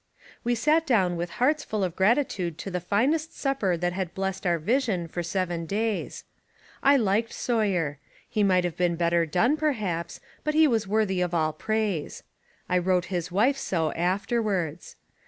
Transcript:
We sat down with hearts full of gratitude to the finest supper that had blessed our vision for seven days. I liked Sawyer. He might have been better done perhaps, but he was worthy of all praise. I wrote his wife so afterwards.